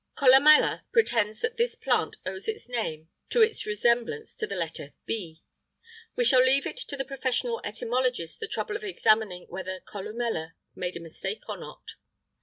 Columella pretends that this plant owes its name (beta) to its resemblance to the letter B.[IX 25] We shall leave to the professional etymologist the trouble of examining whether Columella made a mistake or not.